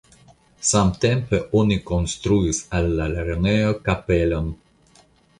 Samtempe oni konstruis al la lernejo kapelon.